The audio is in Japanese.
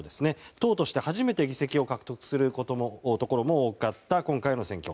党として初めて議席を獲得するところも多かった今回の選挙。